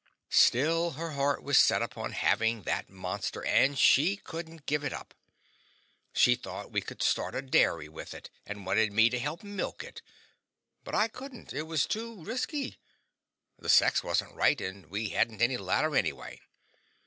Still, her heart was set upon having that monster, and she couldn't give it up. She thought we could start a dairy with it, and wanted me to help milk it; but I wouldn't; it was too risky. The sex wasn't right, and we hadn't any ladder anyway.